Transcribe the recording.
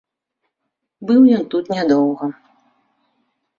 Быў ён тут нядоўга.